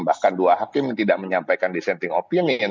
bahkan dua hakim tidak menyampaikan dissenting opinion